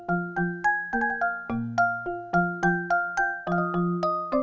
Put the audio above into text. aku tak yakin semuanya akan selamat